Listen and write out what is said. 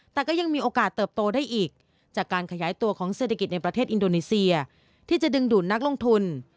แต่ก็ยังมีโอกาสเติบโตได้อีกจากการขยายตัวของเศรษฐกิจในประเทศอินโดนีเซียที่จะดึงดูดนักลงทุน